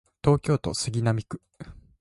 東京都杉並区